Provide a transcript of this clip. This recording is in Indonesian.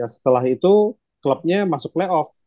setelah itu klubnya masuk playoff